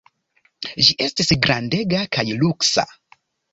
Ĝi estis grandega kaj luksa.